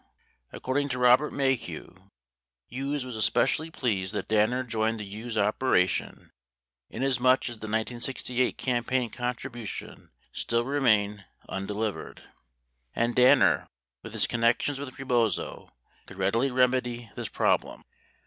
25 According to Robert Maheu, Hughes was especially pleased that Danner joined the Hughes opera tion inasmuch as the 1968 campaign contribution still remained un delivered, and Danner, with his connections with Rebozo, could read ily remedy this problem.